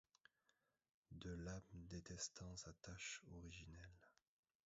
De l’âme détestant sa tache originelle